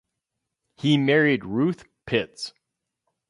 He married Ruth Pitts.